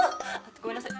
ごめんなさい